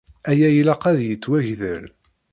Aya ilaq ad yettwagdel.